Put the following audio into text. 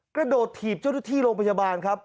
กระโดดถีบเจ้าหน้าที่โรงพยาบาลครับ